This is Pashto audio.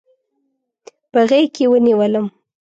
په غیږکې ونیولم